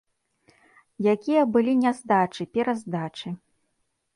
Якія былі няздачы, пераздачы.